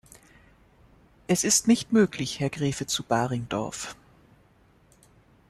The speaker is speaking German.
Es ist nicht möglich, Herr Graefe zu Baringdorf.